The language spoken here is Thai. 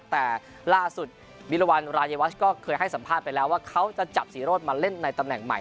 แต่ล่าสุดวิรวรรณรายวัชก็เคยให้สัมภาษณ์ไปแล้วว่าเขาจะจับศรีโรธมาเล่นในตำแหน่งใหม่